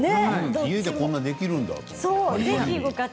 家でこんなにできるんだ。